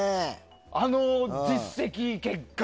あの実績、結果。